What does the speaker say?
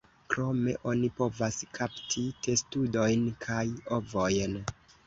Krome, oni povas kapti testudojn kaj ovojn.